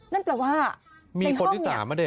นั่นแปลว่าในห้องนี้มีคนที่สาม